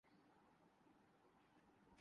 "Kelantan" مغربی Malaysia کی ایک ریاست ہے۔